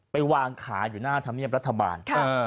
ไปวางขาอยู่หน้าธรรมเนียบรัฐบาล